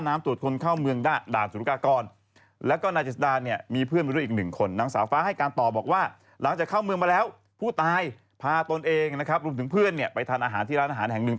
พาตนเองรวมถึงเพื่อนไปทานอาหารที่ร้านอาหารแห่งหนึ่ง